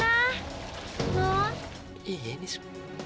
agak kurang lamentasi